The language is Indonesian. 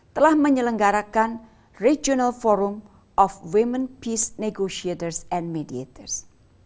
telah menyelenggarakan regional forum of women peace negotiators and mediators